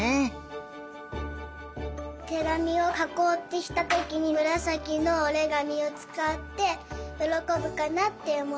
てがみをかこうってしたときにむらさきのおりがみをつかってよろこぶかなっておもった。